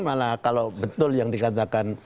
malah kalau betul yang dikatakan